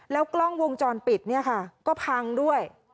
แล้วกล้องวงจรปิดเนี่ยค่ะก็พังด้วย